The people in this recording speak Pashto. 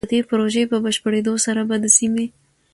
د دې پروژې په بشپړېدو سره به د سيمې